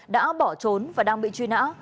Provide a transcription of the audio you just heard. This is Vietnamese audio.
đã bỏ trốn và đang bị truy nã